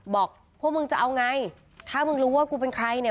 บอกพวกมึงจะเอาไงถ้ามึงรู้ว่ากูเป็นใครเนี่ย